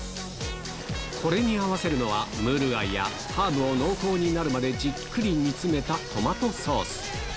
これに合わせるのは、ムール貝やハーブを濃厚になるまでじっくり煮詰めたトマトソース。